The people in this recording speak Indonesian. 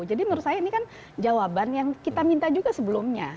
jadi menurut saya ini kan jawaban yang kita minta juga sebelumnya